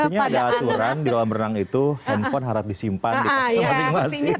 maksudnya ada aturan di kolam renang itu handphone harap disimpan dikasih ke masing masing